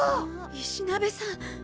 石鍋さん。